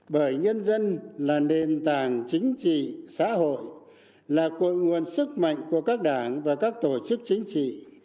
bởi nhân dân là nền tảng chính trị xã hội là cội nguồn sức mạnh của các đảng và các tổ chức chính trị